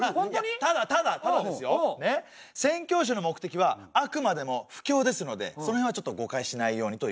ただただただですよねっ宣教師の目的はあくまでも布教ですのでその辺はちょっと誤解しないようにということですよね。